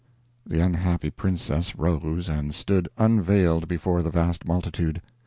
The unhappy princess rose and stood unveiled before the vast multitude.